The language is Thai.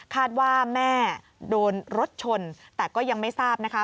คาดว่าแม่โดนรถชนแต่ก็ยังไม่ทราบนะคะ